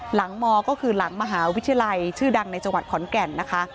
มก็คือหลังมหาวิทยาลัยชื่อดังในจังหวัดขอนแก่นนะคะ